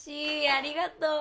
ありがとう。